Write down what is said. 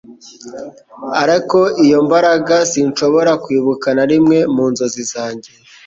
ariko iyo ndabikora, sinshobora kwibuka na rimwe mu nzozi zanjye.